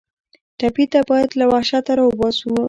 ټپي ته باید له وحشته راوباسو.